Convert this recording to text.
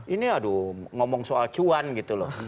ini aduh ngomong soal cuan gitu loh